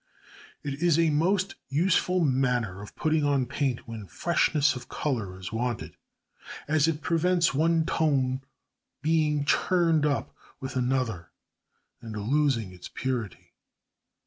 It is a most useful manner of putting on paint when freshness of colour is wanted, as it prevents one tone being churned up with another and losing its purity.